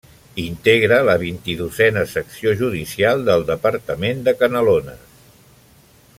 Integra la vint-i-dosena Secció Judicial del departament de Canelones.